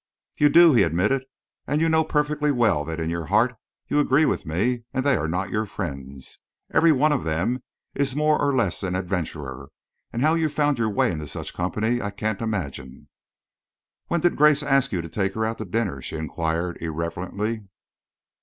"You do," he admitted, "and you know perfectly well that in your heart you agree with me and they are not your friends. Every one of them is more or less an adventurer, and how you found your way into such company I can't imagine." "When did Grace ask you to take her out to dinner?" she enquired irrelevantly.